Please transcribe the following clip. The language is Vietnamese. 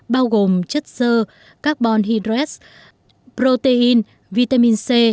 bao gồm chất sơ carbon hydrate protein vitamin c